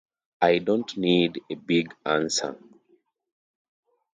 I don't need a big answer'